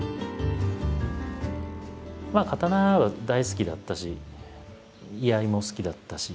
刀は大好きだったし居合も好きだったし。